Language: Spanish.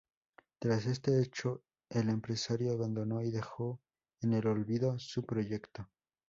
Tras este hecho el empresario abandonó y dejó en el olvido su proyecto.